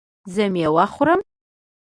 زه میوه خورم